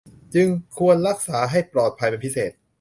จึงควรรักษาให้ปลอดภัยเป็นพิเศษ